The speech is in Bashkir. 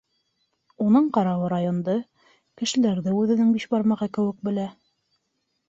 Уның ҡарауы, районды, кешеләрҙе үҙенең биш бармағы кеүек белә.